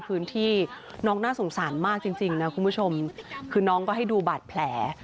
พื้นที่น้องน่าสงสารมากจริงจริงนะคุณผู้ชมคือน้องก็ให้ดูบาดแผล